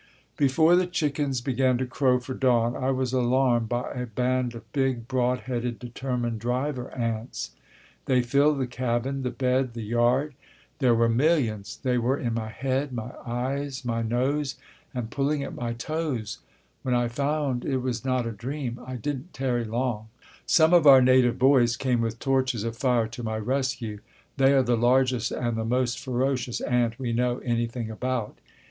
Before the chickens began to crow for dawn I was alarmed by a band of big, broad headed, determined driver ants. They filled the cabin, the bed, the yard. There were millions. They were in my head, my eyes, my nose, and pulling at my toes. When I found it was not a dream, I didn't tarry long. Some of our native boys came with torches of fire to my rescue. They are the largest and the most ferocious ant we know anything about.